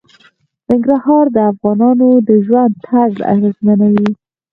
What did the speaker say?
ننګرهار د افغانانو د ژوند طرز اغېزمنوي.